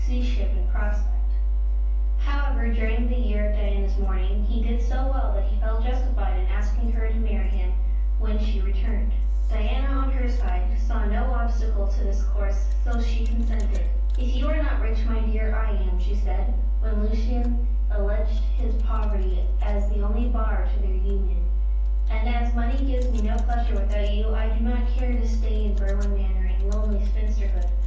ship in prospect. However, during the year of Diana's mourning he did so well that he felt justified in asking her to marry him when she returned. Diana, on her side, saw no obstacle to this course, so she consented. "If you are not rich, my dear, I am," she said, when Lucian alleged his poverty as the only bar to their union, "and as money gives me no pleasure without you, I do not care to stay in Berwin Manor in lonely spinsterhood.